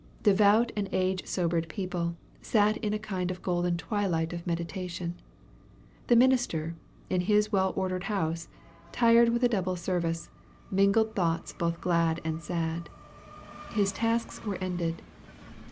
Devout and age sobered people sat in a kind of golden twilight of meditation. The minister, in his well ordered house, tired with a double service, mingled thoughts both glad and sad. His tasks were ended.